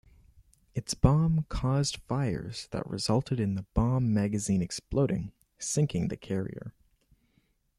Its bomb caused fires that resulted in the bomb magazine exploding, sinking the carrier.